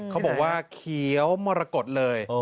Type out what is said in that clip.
เขาบอกว่าเขียวมรกฏเลย